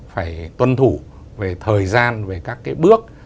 phải tuân thủ về thời gian về các cái bước